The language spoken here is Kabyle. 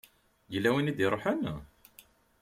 Yella win i d-iṛuḥen?